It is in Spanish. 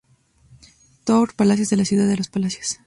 Tour Palacios de la Ciudad de los Palacios.